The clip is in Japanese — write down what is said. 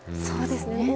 そうですね。